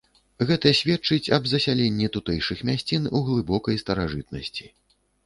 Гэта сведчыць об засяленні тутэйшых мясцін у глыбокай старажытнасці.